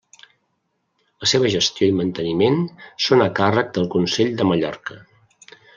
La seva gestió i manteniment són a càrrec del Consell de Mallorca.